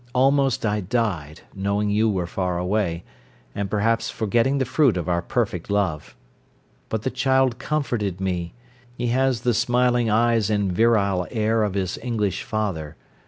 Almost I died, knowing you were far away, and perhaps forgetting the fruit of our perfect love. But the child comforted me. He has the smiling eyes and virile air of his English father.